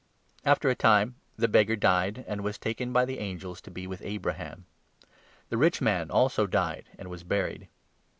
After a time the beggar died, and was taken by the 22 angels to be with Abraham. The rich man also died and was buried.